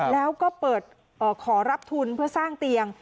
แล้วก็เปิดขอรับทุนเพื่อสร้างเตียง